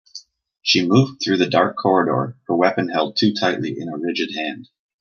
She moved through the dark corridor, her weapon held too tightly in a rigid hand.